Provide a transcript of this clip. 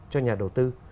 cho nhà đầu tư